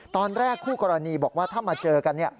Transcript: ตอนแรกคู่กรณีบอกว่าถ้ามาเจอกัน